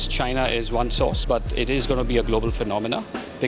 china adalah satu sumber tapi akan menjadi fenomena global